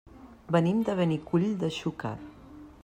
Venim de Benicull de Xúquer.